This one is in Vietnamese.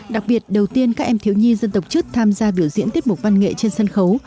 đặc biệt đầu tiên các em thiếu nhi dân tộc chức tham gia biểu diễn tiết mục văn nghệ trên sân khấu